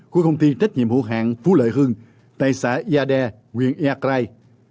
của công ty trách nhiệm hữu hạng phú lợi hương tại xã yade nguyện eakrai